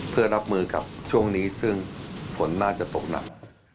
เพื่อรับมือกับช่วงนี้ซึ่งฝนน่าจะตกหนัก